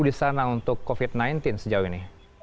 di sana untuk covid sembilan belas sejauh ini